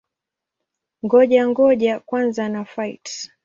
Ngoja-ngoja kwanza na-fight!